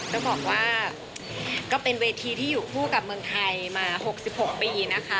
ต้องบอกว่าก็เป็นเวทีที่อยู่คู่กับเมืองไทยมา๖๖ปีนะคะ